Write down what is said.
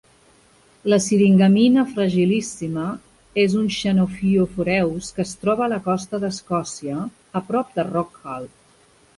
La siringammina fragilissima és un xenofioforeus que es troba a la costa d'Escòcia, a prop de Rockall.